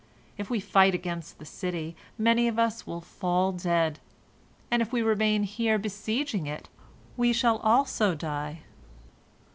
If we fight against the city, many of us will fall dead; and if we remain here besieging it, we shall also die.